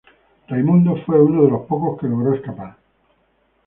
Raimundo fue uno de los pocos que logró escapar.